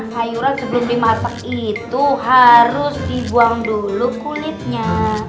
sayuran sebelum dimasak itu harus dibuang dulu kulitnya